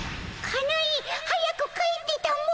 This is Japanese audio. かなえ早く帰ってたも。